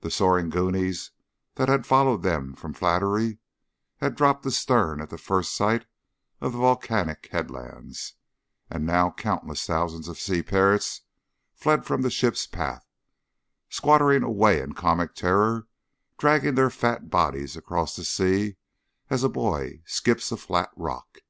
The soaring "goonies" that had followed them from Flattery had dropped astern at first sight of the volcanic headlands, and now countless thousands of sea parrots fled from the ship's path, squattering away in comic terror, dragging their fat bodies across the sea as a boy skips a flat rock.